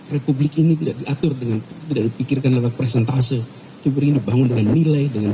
republik ini tidak diatur dengan tidak dipikirkan lewat presentase diberi dibangun dengan nilai dengan